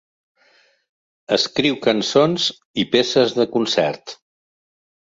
Escriu cançons i peces de concert.